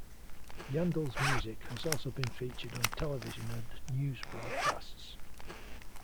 Yandall's music has also been featured on television and news broadcasts.